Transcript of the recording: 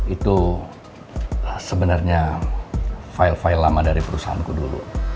itu sebenarnya file file lama dari perusahaanku dulu